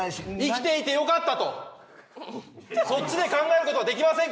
生きていてよかったとそっちで考える事はできませんか？